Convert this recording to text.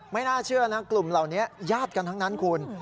ไม่น่าเชื่อนะกลุ่มเหล่านี้ญาติกันทั้งนั้นคุณ